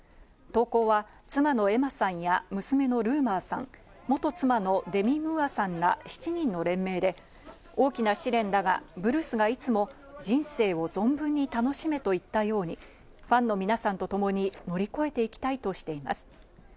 投稿は妻のエマさんや、娘のルーマーさん、元妻のデミ・ムーアさんら、７人の連名で、大きな試練だが、ブルースがいつも人生を存分に楽しめと言ったようにファンの皆さんとともに乗り越えていきたいとしています。